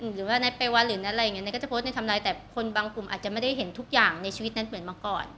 หรือว่าในเปวันหรือนัดอะไรอย่างนี้ก็จะโพสต์ในทำไลน์แต่คนบางกลุ่มอาจจะไม่ได้เห็นทุกอย่างในชีวิตนั้นเหมือนมาก่อน